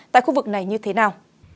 tại khu vực này như thế nào